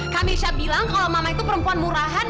kak mesya bilang kalau mama itu perempuan murahan yang kotor pak